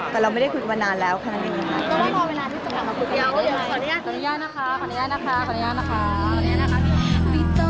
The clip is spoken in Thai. แต่เราไม่ได้คุยกันมานานแล้วขนาดนี้